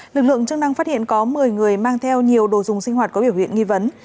lực lượng chức năng phát hiện có một mươi người mang theo nhiều đồ dùng sinh hoạt có biểu hiện nghi vấn